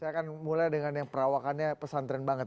saya akan mulai dengan yang perawakannya pesantren banget